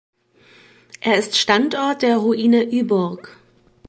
Er ist Standort der Ruine Yburg.